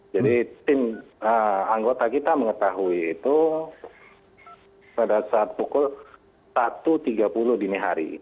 jadi tim anggota kita mengetahui itu pada saat pukul satu tiga puluh dini hari